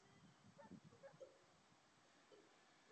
افغانستان د خپلو کوچیانو له امله شهرت لري.